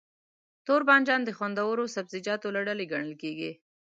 توربانجان د خوندورو سبزيجاتو له ډلې ګڼل کېږي.